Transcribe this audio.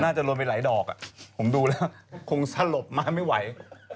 น่าจะลงไปไหลดอกผมดูแล้วคงสลบมาไม่ไหว